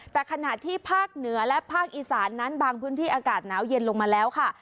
แต่ขณะที่ภาคเหนือและภาคอีสานนั้นบางพื้นที่อากาศหนาวเย็นลงมาแล้วค่ะ